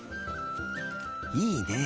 いいね。